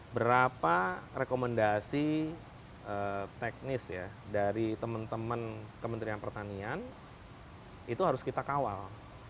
berapa rekomendasi teknis ya dari teman teman kementerian pertanian itu harus kita kawal